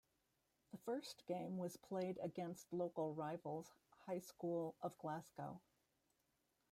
The first game was played against local rivals High School of Glasgow.